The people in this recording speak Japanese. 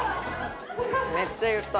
めっちゃ言った。